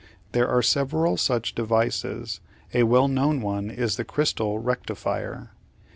There are several such devices; a well known one is the crystal rectifier.